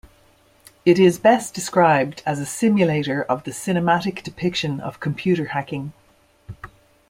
It is best described as a simulator of the cinematic depiction of computer hacking.